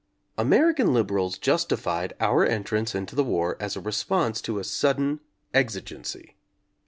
American liberals justified our entrance into the war as a response to a sudden exigency.